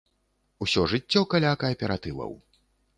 Усё жыццё каля кааператываў.